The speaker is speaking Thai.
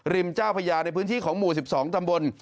เจ้าพญาในพื้นที่ของหมู่๑๒ตำบล